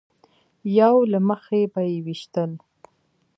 یو له مخې به یې ویشتل.